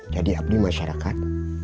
jadi habis masyarakat